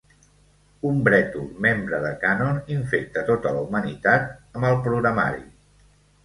Un brètol membre de Canon infecta tota la humanitat amb el programari.